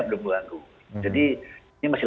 belum mengganggu jadi ini masih